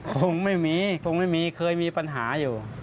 คงไม่มีคงไม่มีเคยมีปัญหาอยู่